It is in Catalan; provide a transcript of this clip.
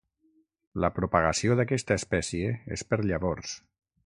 La propagació d'aquesta espècie és per llavors.